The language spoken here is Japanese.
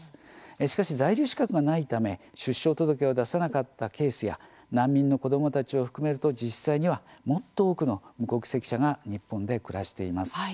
しかし、在留資格がないため出生届を出さなかったケースや難民の子どもたちを含めると実際にはもっと多くの無国籍者が日本で暮らしています。